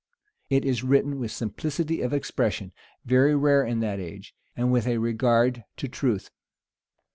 It is written with simplicity of expression, very rare in that age, and with a regard to truth.